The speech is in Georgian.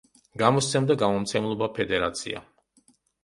გამოსცემდა გამომცემლობა „ფედერაცია“.